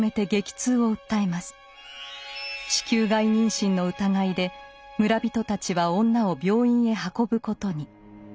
子宮外妊娠の疑いで村人たちは女を病院へ運ぶことに。